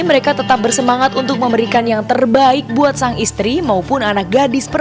mereka tetap bersemangat untuk mencari tempat untuk mencari tempat untuk mencari tempat